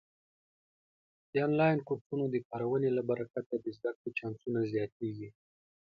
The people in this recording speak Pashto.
د آنلاین کورسونو د کارونې له برکته د زده کړې چانسونه زیاتېږي.